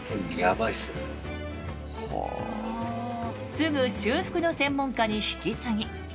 すぐ修復の専門家に引き継ぎ。